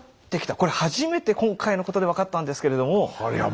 これ初めて今回のことで分かったんですけれども。